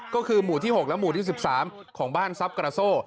ก็คือหมู่ที่๖และหมู่ที่๑๓ของบ้านทรัพย์กระโซ่